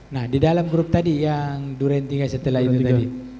nah di dalam grup tadi yang duren tiga setelah itu tadi